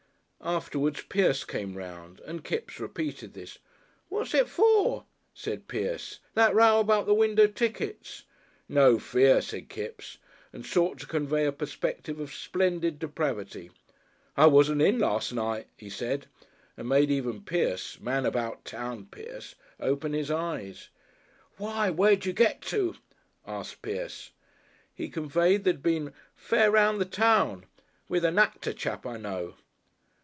Afterwards Pierce came round and Kipps repeated this. "What's it for?" said Pierce. "That row about the window tickets?" "No fear!" said Kipps and sought to convey a perspective of splendid depravity. "I wasn't in las' night," he said and made even Pierce, "man about town" Pierce, open his eyes. "Why! where did you get to?" asked Pierce. He conveyed that he had been "fair round the town." "With a Nactor chap, I know."